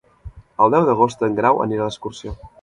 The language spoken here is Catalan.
El deu d'agost en Grau anirà d'excursió.